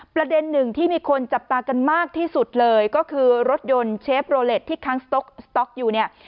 ประเด็นหนึ่งที่มีคนจับตากันมากที่สุดเลยก็คือรถยนต์เชฟโรเล็ตที่ค้างสต๊อกสต๊อกอยู่เนี่ย